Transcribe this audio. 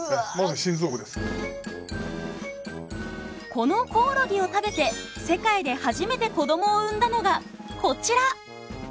このコオロギを食べて世界で初めて子どもを産んだのがこちら。